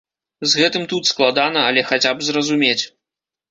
З гэтым тут складана, але хаця б зразумець.